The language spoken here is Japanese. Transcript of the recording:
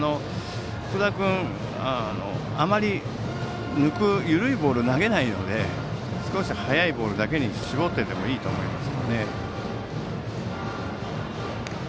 福田君はあまり抜くような緩いボールを投げないので速いボールだけに絞っていいと思います。